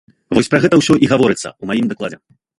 Вось пра гэта ўсё і гаворыцца ў маім дакладзе.